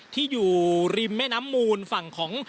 ที่อยู่ริมแม่น้ำมูลฝั่งของ